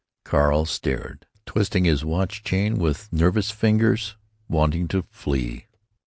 Carl stared, twisting his watch chain with nervous fingers, wanting to flee.